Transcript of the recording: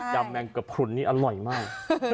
ำแมงกระพรุนนี่อร่อยมาก